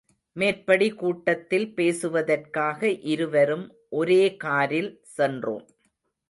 மேற்படிகூட்டத்தில் பேசுவதற்காக இருவரும் ஒரே காரில் சென்றோம்.